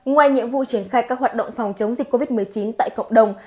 ngoài nhiệm vụ triển khai các hoạt động phòng chống dịch covid một mươi chín tại cộng đồng